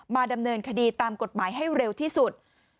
ดำเนินคดีตามกฎหมายให้เร็วที่สุด